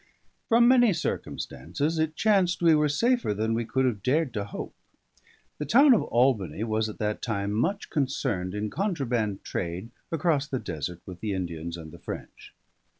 From many circumstances, it chanced we were safer than we could have dared to hope. The town of Albany was at that time much concerned in contraband trade across the desert with the Indians and the French.